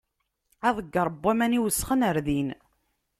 Aḍegger n waman i iwesxen ɣer din.